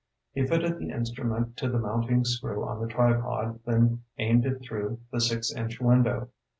He fitted the instrument to the mounting screw on the tripod, then aimed it through the six inch window.